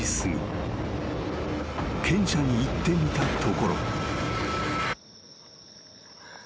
［犬舎に行ってみたところ］